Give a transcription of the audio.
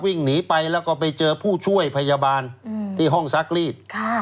วิ่งหนีไปแล้วก็ไปเจอผู้ช่วยพยาบาลที่ห้องซักรีด